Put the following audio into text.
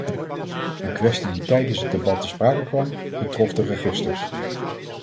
Een kwestie die tijdens het debat ter sprake kwam, betrof de registers.